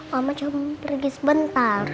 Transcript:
mama cuma pergi sebentar